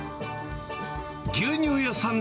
牛乳屋さん